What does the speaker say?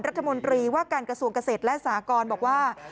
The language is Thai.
รัฐมนตรีว่าการกระทรวงเกษตรและสากรบอกว่า